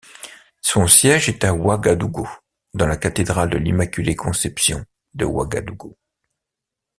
Son siège est à Ouagadougou dans la Cathédrale de l'Immaculée-Conception de Ouagadougou.